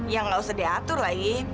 ya nggak usah diatur lagi